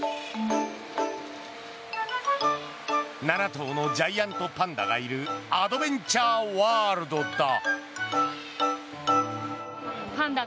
７頭のジャイアントパンダがいるアドベンチャーワールドだ。